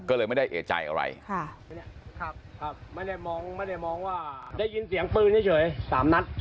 ก็เลยไม่ได้เอกใจอะไรไม่ได้มองไม่ได้มองว่าได้ยินเสียงปืนเฉย๓นัด